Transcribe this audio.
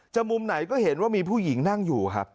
มุมไหนก็เห็นว่ามีผู้หญิงนั่งอยู่ครับ